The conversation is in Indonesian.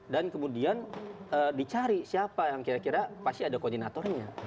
dan kemudian dicari siapa yang kira kira pasti ada koordinatornya